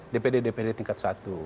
dpd dpd tingkat satu